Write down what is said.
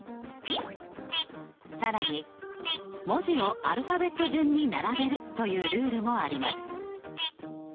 更に「文字をアルファベット順に並べる」というルールもあります。